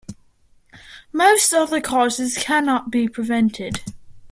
Most other causes cannot be prevented.